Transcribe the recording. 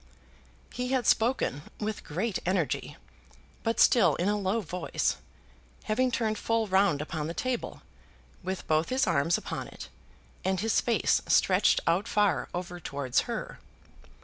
He had spoken with great energy, but still in a low voice, having turned full round upon the table, with both his arms upon it, and his face stretched out far over towards her.